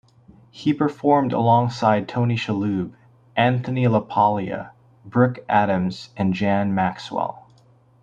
He performed alongside Tony Shalhoub, Anthony LaPaglia, Brooke Adams, and Jan Maxwell.